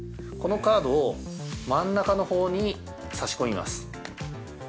このカードを真ん中のほうに挿し込みます。